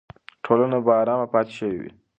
ټولنه به ارامه پاتې شوې وي.